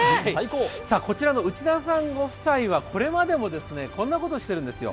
こちらの内田さんご夫妻は、これまでもこんなことしてるんですよ。